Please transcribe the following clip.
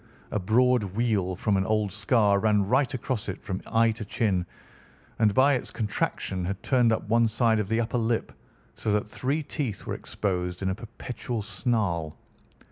A broad wheal from an old scar ran right across it from eye to chin, and by its contraction had turned up one side of the upper lip, so that three teeth were exposed in a perpetual snarl.